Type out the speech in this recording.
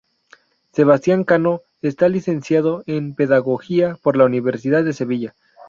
Sebastián Cano está licenciado en Pedagogía por la Universidad de Sevilla.